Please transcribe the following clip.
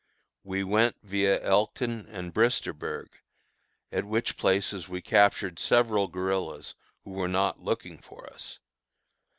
We went via Elkton and Bristersburg, at which places we captured several guerillas, who were not looking for us.